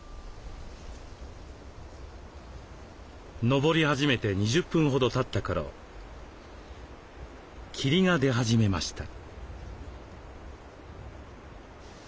登り始めて２０分ほどたった頃霧が出始めました。